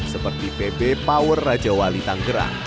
seperti pb power raja wali tanggerang